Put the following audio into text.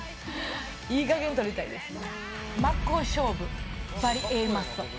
いいかげんとりたいですね。